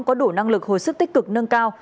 có đủ năng lực hồi sức tích cực nâng cao